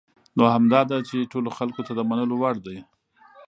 نو همدا ده چې ټولو خلکو ته د منلو وړ دي .